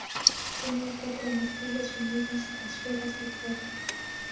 Tenía cuatro mástiles unidas a esferas de cobre.